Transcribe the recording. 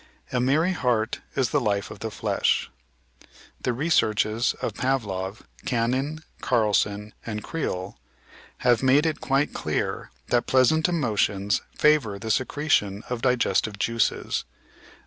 "A merry heart is the life of the flesh." The researches of Pavlov, Cannon, Carlson, and Crile have made it quite clear that pleasant emotions favour the secretion of the Piolo: EUioll 6 Fr>.